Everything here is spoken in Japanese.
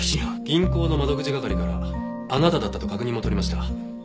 銀行の窓口係からあなただったと確認も取りました。